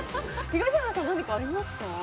東原さん何かありますか。